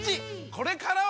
これからは！